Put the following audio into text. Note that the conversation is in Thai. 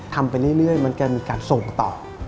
ไปเรื่อยมันจะมีการส่งต่อ